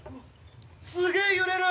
◆すげえ揺れる。